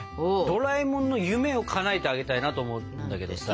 ドラえもんの夢をかなえてあげたいなと思うんだけどさ。